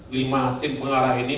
lima tim pengarah ini